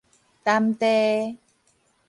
澹地